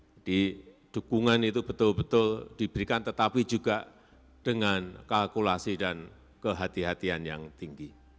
jadi dukungan itu betul betul diberikan tetapi juga dengan kalkulasi dan kehatian kehatian yang tinggi